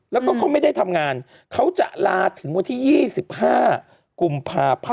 แล้วก็เขาไม่ได้ทำงานเขาจะลาถึงวันที่๒๕กุมภาพันธ์